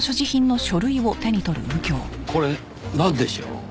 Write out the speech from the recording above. これなんでしょう？